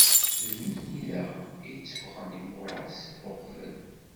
D nutni daɣen i iteffɣen imuṛaṣ uqbel.